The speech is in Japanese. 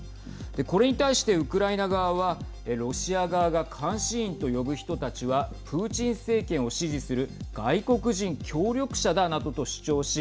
これに対して、ウクライナ側はロシア側が監視員と呼ぶ人たちはプーチン政権を支持する外国人協力者だなどと主張し